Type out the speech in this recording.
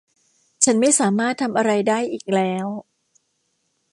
ฉันไม่สามารถทำอะไรได้อีกแล้ว